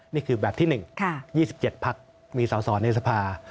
นี่คือแบบที่๑๒๗พักมีสอสอในสภา